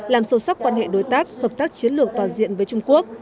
làm sâu sắc quan hệ đối tác hợp tác chiến lược toàn diện với trung quốc